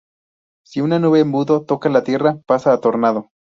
Si una nube embudo toca tierra pasa a tornado.